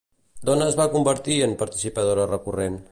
D'on es va convertir en participadora recorrent?